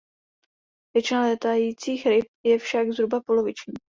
Většina létajících ryb je však zhruba poloviční.